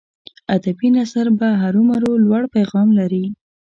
ادبي نثر به هرو مرو لوړ پیغام لري.